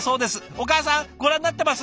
お母さんご覧になってます？